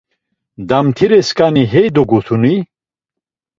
“Damtiresǩani hey dogutuni?”